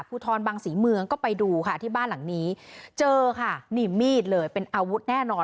ภูทรบังศรีเมืองก็ไปดูค่ะที่บ้านหลังนี้เจอค่ะนี่มีดเลยเป็นอาวุธแน่นอน